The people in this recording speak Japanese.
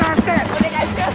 お願いします！